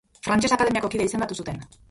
Frantses Akademiako kide izendatu zuten.